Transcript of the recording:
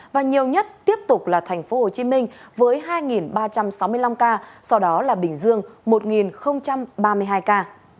và nhiều nhất tiếp tục là tp hcm với hai ba trăm sáu mươi năm ca sau đó là bình dương một ba mươi hai ca